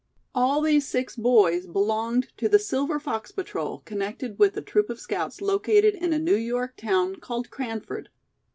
All these six boys belonged to the Silver Fox Patrol connected with a troop of scouts located in a New York town called Cranford.